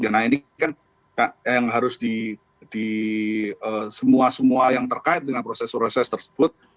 nah ini kan yang harus di semua semua yang terkait dengan proses proses tersebut